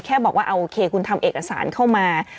แค่บอกว่าโอเคคุณทำเอกสารเข้ามา